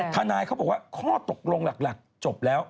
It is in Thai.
ทนายเขาบอกว่าข้อตกลงหลักจบแล้ว